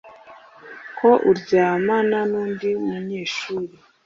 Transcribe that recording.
ko uryamana n undi munyeshuri